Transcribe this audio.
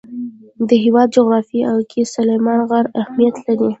د هېواد جغرافیه کې سلیمان غر اهمیت لري.